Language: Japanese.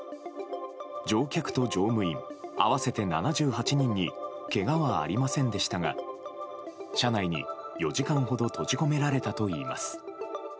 乗客と乗務員合わせて７８人にけがはありませんでしたが車内に４時間ほど閉じ込められたといいます。